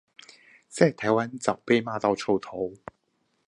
在台灣早被罵到臭頭